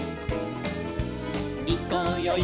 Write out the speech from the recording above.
「いこうよい